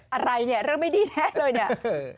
อะไรเนี่ยเรื่องไม่ดีแท้เลยเนี่ย